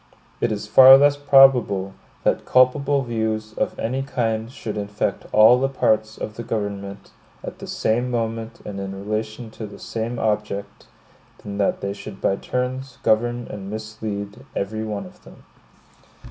It is far less probable, that culpable views of any kind should infect all the parts of the government at the same moment and in relation to the same object, than that they should by turns govern and mislead every one of them.